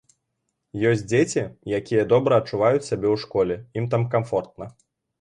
Ёсць дзеці, якія добра адчуваюць сябе ў школе, ім там камфортна.